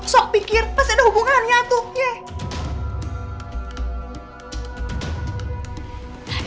sok pikir pasti ada hubungannya tuh yeh